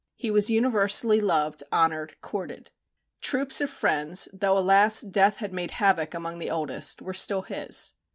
He was universally loved, honoured, courted. "Troops of friends," though, alas! death had made havoc among the oldest, were still his.